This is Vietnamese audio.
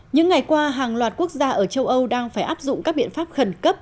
những ngày qua hàng loạt quốc gia ở châu âu đang phải áp dụng các biện pháp khẩn cấp